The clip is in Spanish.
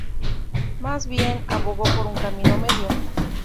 Más bien, abogó por un camino medio.